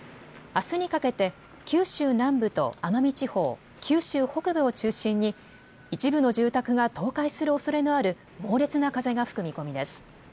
あすにかけて九州南部と奄美地方、九州北部を中心に、一部の住宅が倒壊するおそれのある猛烈な風が吹く見込みです。